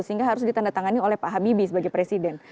sehingga harus ditandatangani oleh pak habibie sebagai presiden